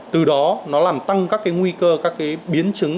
từ đó nó làm tăng các cái nguy cơ các cái biến chứng